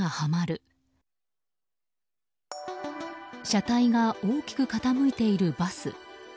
車体が大きく傾いているバス。